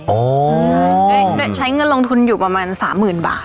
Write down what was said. ใช่ใช้เงินลงทุนอยู่ประมาณ๓๐๐๐บาท